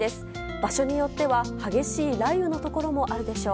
場所によっては激しい雷雨のところもあるでしょう。